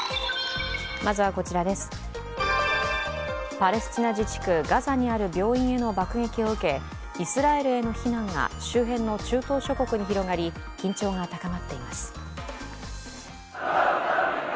パレスチナ自治区ガザにある病院への爆撃を受け、イスラエルへの非難が周辺の中東諸国に広がり緊張が高まっています。